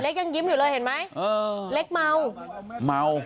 ยังยิ้มอยู่เลยเห็นไหมเออเล็กเมาเมา